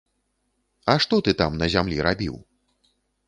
А што ты там на зямлі рабіў?